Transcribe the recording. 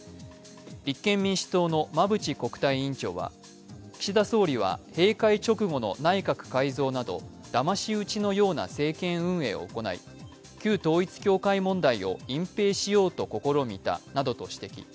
立憲民主党の馬淵国対委員長は、岸田総理は閉会直後の内閣改造など、だまし討ちのような政権運営を行い、旧統一教会問題を隠蔽しようと試みたなどと指摘。